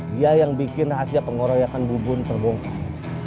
dia yang bikin rahasia pengoroyakan bubun terbongkar